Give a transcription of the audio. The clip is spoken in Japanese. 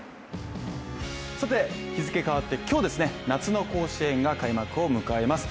日付変わって今日、夏の甲子園が開幕を迎えます。